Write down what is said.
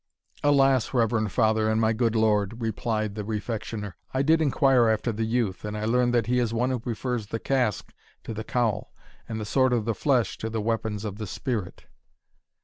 "Alas! reverend Father and my good lord," replied the Refectioner, "I did inquire after the youth, and I learn he is one who prefers the casque to the cowl, and the sword of the flesh to the weapons of the spirit."